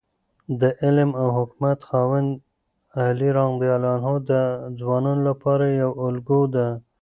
د علم او حکمت خاوند علي رض د ځوانانو لپاره یوه الګو ده.